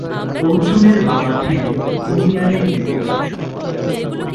অর্জুনের বাবা ছিলেন ইউনিয়ন নেতা।